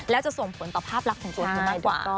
แล้วจะส่งผลต่อภาพลักษณ์ของตัวเธอมากกว่า